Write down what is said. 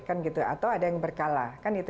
atau ada yang berkala